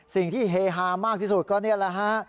สิ่งที่เฮฮามากที่สุดก็นี่แหละฮะ